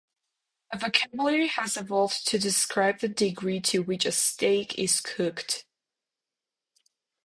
A vocabulary has evolved to describe the degree to which a steak is cooked.